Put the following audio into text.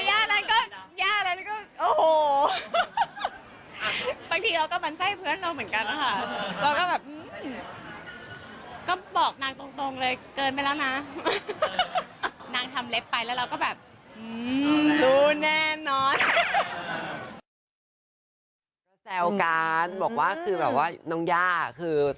อันนี้เหมือนย่าเลยนะ